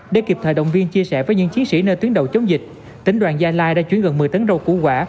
để kịp thời động viên chia sẻ với những chiến sĩ nơi tuyến đầu chống dịch tỉnh đoàn gia lai đã chuyển gần một mươi tấn rau củ quả